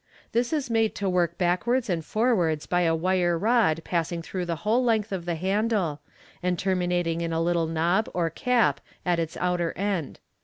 This is made to work backwards and forwards by a wire rod passing through the whole length of the handle, and terminating in a little knob or cap at its outer end.